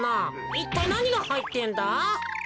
いったいなにがはいってんだ？